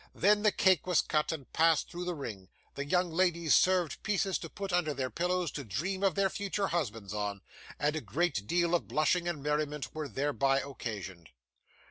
Then the cake was cut, and passed through the ring; the young ladies saved pieces to put under their pillows to dream of their future husbands on; and a great deal of blushing and merriment was thereby occasioned.